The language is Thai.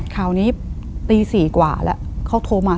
คราวนี้ตี๔กว่าแล้วเขาโทรมา